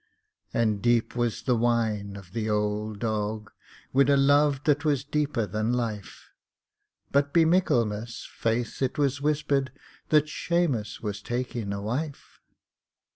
And deep was the whine of the ould dog Wid a love that was deeper than life But be Michaelmas, faith, it was whispered That Shamus was takin' a wife!